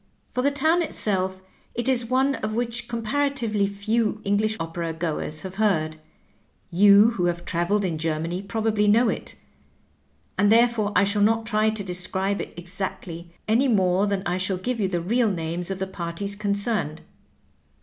For the town itself, it is one of which comparatively few English opera goers have heard ; you who have traveled in G er many probably knpw it, and therefore I shall not try to describe it exactly, any more than I shall give you the real names of the parties concerned.